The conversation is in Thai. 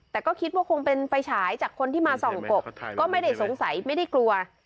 แต่ก็คิดว่าคงเป็นไฟฉายจากคนที่มาส่องกบก็ไม่ได้สงสัยไม่ได้กลัว